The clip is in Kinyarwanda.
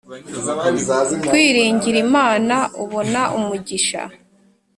Kwiringira Imana ubona umugisha